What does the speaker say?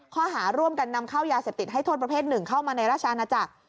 ข้อหาร่วมกันนำเข้ายาเสพติดให้โทษประเภทหนึ่งเข้ามาในราชอาณาจักร